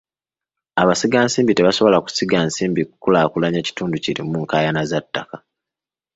Abasigansimbi tebasobola kusiga nsimbi kulaakulanya kitundu kirimu nkaayana za ttaka.